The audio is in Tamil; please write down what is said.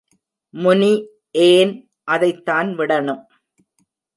முனி ஏன், அதைத்தான் விடணும்.